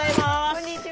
こんにちは。